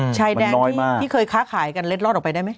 ชายแดนที่เคยค้าขายกันเล็ดลอดออกไปได้ไหม